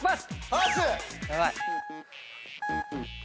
パス！